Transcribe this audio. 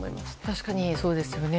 確かにそうですよね。